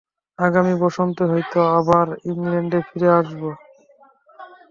আগামী বসন্তে হয়তো আবার ইংলণ্ডে ফিরে আসব।